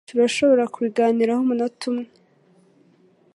Turashobora kubiganiraho umunota umwe?